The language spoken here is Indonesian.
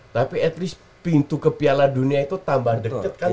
tapi at least pintu ke piala dunia itu tambah deket kan